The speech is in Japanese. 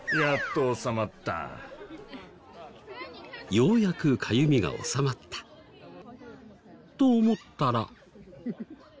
ようやくかゆみが治まった。と思ったら。